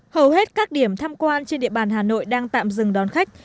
hầu hết các điểm tham quan trên địa bàn hà nội đang tạm dừng đón khách